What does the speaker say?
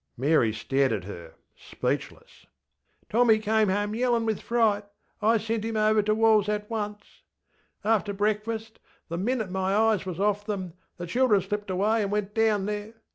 ŌĆÖ Mary stared at her, speechless. ŌĆśTommy came home yellinŌĆÖ with fright. I sent him over to WallŌĆÖs at once. After breakfast, the minute my eyes was off them, the children slipped away and went down there.